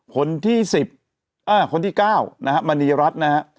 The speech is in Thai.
คนที่๑๐คนที่๙นะครับมณีรัฐนะครับ